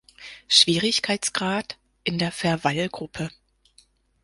Schwierigkeitsgrad in der Verwallgruppe.